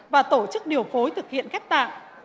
và tổ chức điều phối thực hiện ghép tạng